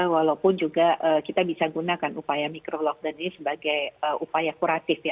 walaupun juga kita bisa gunakan upaya mikro lockdown ini sebagai upaya kuratif ya